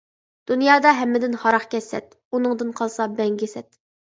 دۇنيادا ھەممىدىن ھاراقكەش سەت، ئۇنىڭدىن قالسا بەڭگى سەت.